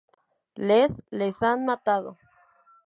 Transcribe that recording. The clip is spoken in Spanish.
les... les han matado.